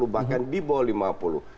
bahkan di bawah lima puluh